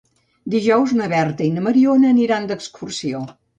Dijous na Berta i na Mariona aniran d'excursió.